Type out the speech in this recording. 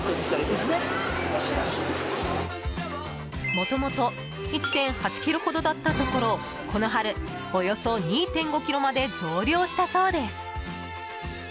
もともと１．８ｋｇほどだったところこの春およそ２．５ｋｇまで増量したそうです。